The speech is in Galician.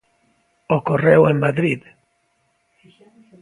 Ocorreu en Madrid.